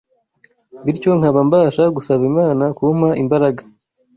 bityo nkaba mbasha gusaba Imana kumpa imbaraga